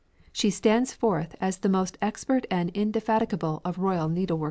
She stands forth as the most expert and indefatigable of royal needleworkers.